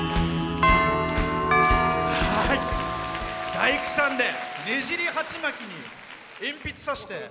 大工さんでねじり鉢巻きに鉛筆さして。